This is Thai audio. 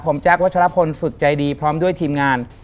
ผมแจ๊ควัชลพลฝึกใจดีพร้อมด้วยทีมงาน